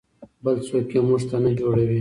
بل څوک یې موږ ته نه جوړوي.